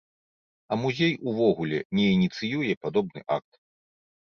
А музей увогуле не ініцыюе падобны акт.